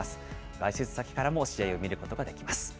外出先からも試合を見ることができます。